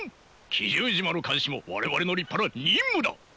奇獣島の監視も我々の立派な任務だ。